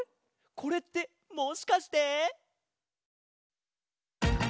これってもしかして。